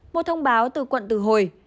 một thông báo từ quận từ hồi